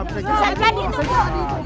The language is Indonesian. bisa jadi tuh bu